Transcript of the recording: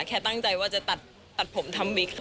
แค่ตั้งใจว่าจะตัดผมทำบิ๊ก